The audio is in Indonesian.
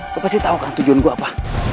lo pasti tau kan tujuan gue apa